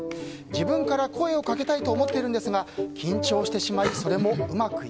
自分から声をかけたいと思っているんですが緊張してしまい